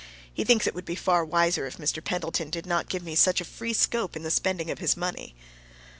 He thinks it would be far wiser if Mr. Pendleton did not give me such free scope in the spending of his money.